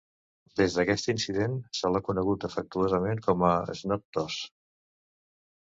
Des d'aquest incident, se l'ha conegut afectuosament com a "Snot Toss".